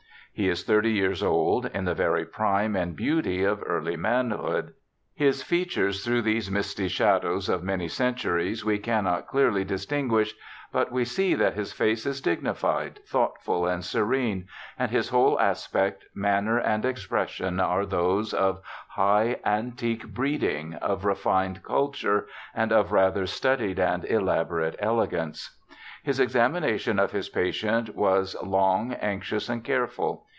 He is thirty years old, in the very prime and beauty of early manhood. His features, through these I50 BIOGRAPHICAL ESSAYS misty shadows of many centuries, we cannot clearly dis tinguish, but we see that his face is dignified, thoughtful, and serene ; and his whole aspect, manner, and expression are those of high, antique breeding, of refined culture, and of rather studied and elaborate elegance. His examination of his patient was long, anxious, and careful.